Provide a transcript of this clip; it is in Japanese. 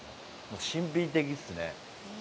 神秘的ですね。